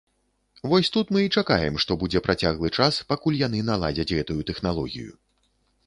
Вось тут мы і чакаем, што будзе працяглы час, пакуль яны наладзяць гэтую тэхналогію.